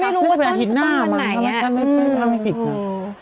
ไม่รู้ว่าต้นธันวาไหนไม่รู้ว่าต้นธันวาไหนเนี่ยอืมอืม